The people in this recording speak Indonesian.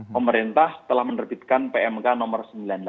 pemerintah telah menerbitkan pmk nomor sembilan puluh delapan